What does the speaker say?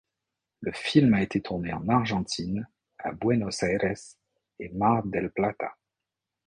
Le film a été tourné en Argentine, à Buenos Aires et Mar del Plata.